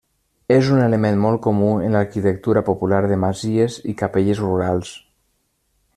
És un element molt comú en l'arquitectura popular de masies i capelles rurals.